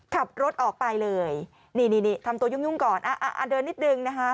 ขับรถออกไปเลยนี่นี่ทำตัวยุ่งก่อนเดินนิดนึงนะคะ